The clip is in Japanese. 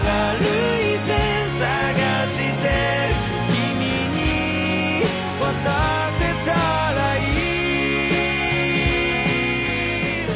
「君に渡せたらいい」